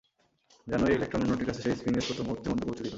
যেন এই ইলেকট্রন অন্যটির কাছে সেই স্পিনের তথ্য মুহূর্তের মধ্যে পৌঁছে দিল।